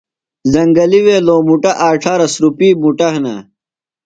زنگلیۡ وے بہ لومُٹہ آچھارہ سُرُپی مُٹہ ہِنہ۔